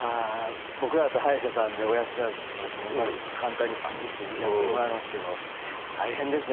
僕らだと歯医者さんで親知らずとか今ですと簡単にバキってやってもらいますけど大変ですね